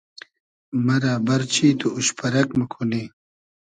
مئرۂ بئرچی تو اوش پئرئگ موکونی